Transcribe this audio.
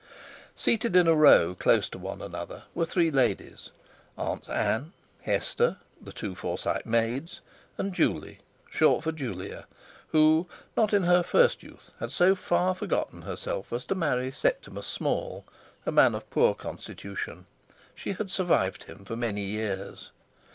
Seated in a row close to one another were three ladies—Aunts Ann, Hester (the two Forsyte maids), and Juley (short for Julia), who not in first youth had so far forgotten herself as to marry Septimus Small, a man of poor constitution. She had survived him for many years.